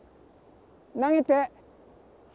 投げて！